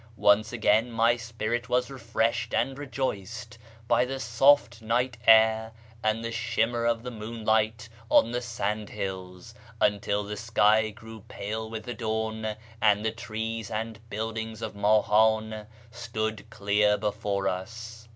Once again my spirit was refreshed and rejoiced by the soft night air and the shim mer of the moonlight on the sand hills, until the sky grew pale with the dawn, and the trees and buildings of Mahan stood clear before us.